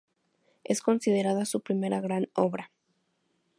Es considerada su primera gran obra.